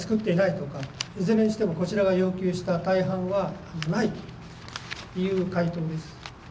いずれにしてもこちらが要求した大半はないという回答です。